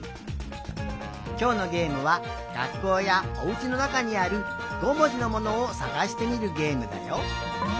きょうのゲームはがっこうやおうちのなかにある５もじのものをさがしてみるゲームだよ。